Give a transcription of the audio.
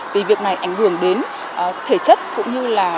vì việc này ảnh hưởng đến thể chất cũng như là